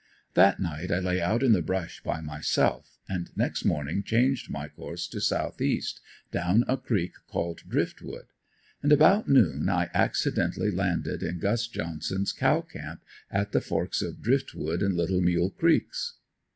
That night I lay out in the brush by myself and next morning changed my course to southeast, down a creek called Driftwood. About noon I accidently landed in Gus Johnson's Cow camp at the forks of Driftwood and "Little Mule" creeks.